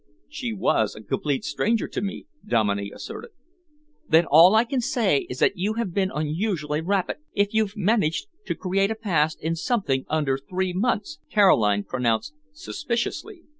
"She was a complete stranger to me," Dominey asserted. "Then all I can say is that you have been unusually rapid if you've managed to create a past in something under three months!" Caroline pronounced suspiciously.